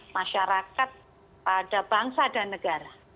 masyarakat ada bangsa ada negara